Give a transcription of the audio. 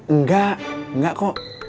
enggak enggak kok